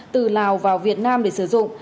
từ lào vào việt nam để sử dụng